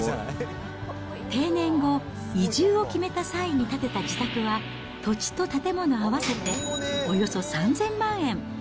定年後、移住を決めた際に建てた自宅は土地と建物合わせておよそ３０００万円。